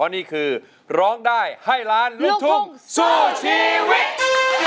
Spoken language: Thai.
นี่คือร้องได้ให้ล้านลูกทุ่งสู้ชีวิต